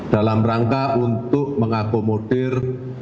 dalam rangka untuk mengakomodir